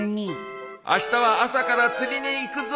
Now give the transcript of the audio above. あしたは朝から釣りに行くぞ。